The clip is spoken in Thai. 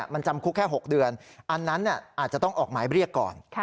มันจำคุกแค่๖เดือนอันนั้นอาจจะต้องออกหมายเรียกก่อน